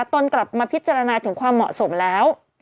ตนกลับมาพิจารณาถึงความเหมาะสมแล้ว